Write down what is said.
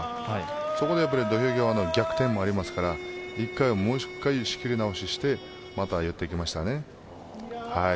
そこで土俵際の逆転もありますからもう１回、仕切り直ししてまた寄っていきましたね。